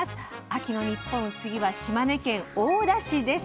秋の日本次は島根県大田市です。